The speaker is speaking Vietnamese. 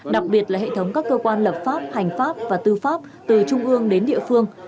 đặc biệt là hệ thống các cơ quan lập pháp hành pháp và tư pháp từ trung ương đến địa phương